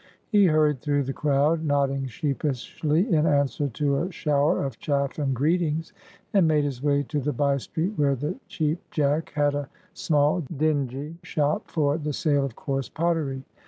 He hurried through the crowd, nodding sheepishly in answer to a shower of chaff and greetings, and made his way to the by street where the Cheap Jack had a small dingy shop for the sale of coarse pottery.